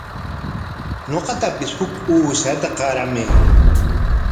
Ñuqatapis huk uushata qaramay.